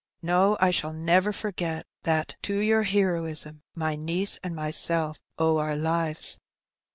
No, I shall never forget that to your heroism my niece and myself owe our lives."